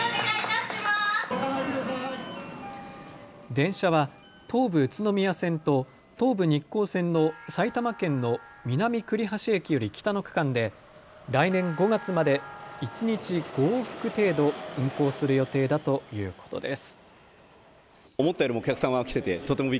電車は東武宇都宮線と東武日光線の埼玉県の南栗橋駅より北の区間で来年５月まで１日５往復程度運行する予定だということです。